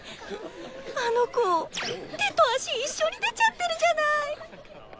あの子手と足一緒に出ちゃってるじゃない！